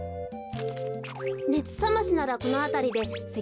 ねつさましならこのあたりでせきはこれ。